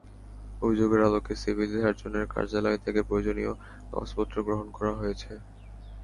অভিযোগের আলোকে সিভিল সার্জনের কার্যালয় থেকে প্রয়োজনীয় কাগজপত্র গ্রহণ করা হয়েছে।